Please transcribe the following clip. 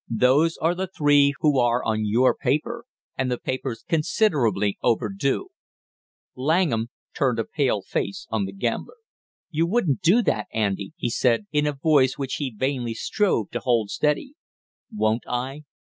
Those are the three who are on your paper, and the paper's considerably overdue." Langham turned a pale face on the gambler. "You won't do that, Andy!" he said, in a voice which he vainly strove to hold steady. "Won't I?